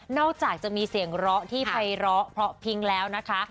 นอกจากจะมีเสียงร้อที่ไฟร้อเพราะพิงแล้วนะคะ